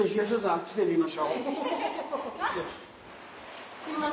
あっちで見ましょう。いきます。